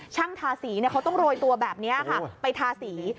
ช่างทาสีต้องโรยตัวแบบนี้ไปทาสี